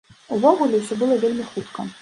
Увогуле ўсё было вельмі хутка.